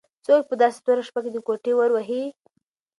څوک په داسې توره شپه کې د کوټې ور وهي؟